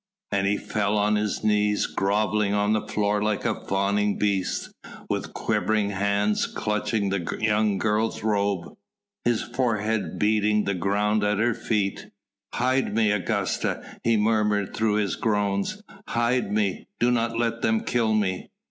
And he fell on his knees, grovelling on the floor like a fawning beast, with quivering hands clutching the young girl's robe, his forehead beating the ground at her feet. "Hide me, Augusta," he murmured through his groans, "hide me!... Do not let them kill me."